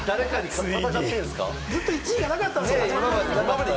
ずっと１位がなかったんですよね。